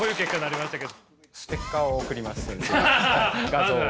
画像を。